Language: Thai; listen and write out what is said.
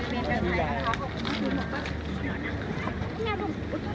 มันเป็นสิ่งที่จะให้ทุกคนรู้สึกว่า